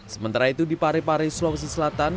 sementara itu di pare pare sulawesi selatan